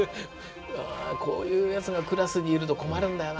こういうやつがクラスにいると困るんだよな。